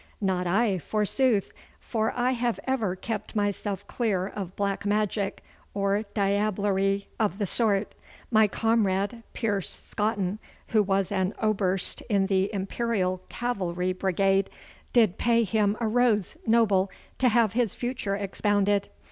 'Not I, forsooth, for I have ever kept myself clear of black magic or diablerie of the sort. My comrade Pierce Scotton, who was an Oberst in the Imperial cavalry brigade, did pay him a rose noble to have his future expounded.